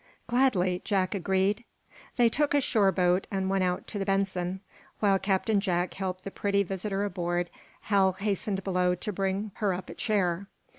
"Gladly," Jack agreed. They took a shore boat and went out to the "Benson." While Captain Jack helped the pretty visitor aboard Hal hastened below to bring her up a chair.